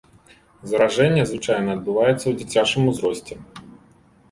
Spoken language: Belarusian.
Заражэнне звычайна адбываецца ў дзіцячым узросце.